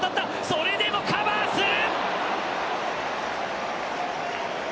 それでもカバーする！